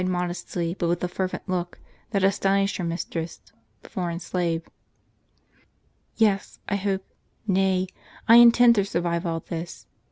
modestly, but with a fervent look that astonished her mistress, the foreign slave ;" yes, I hope, nay, I intend to survive all this.